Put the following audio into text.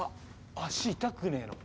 足痛くねえの？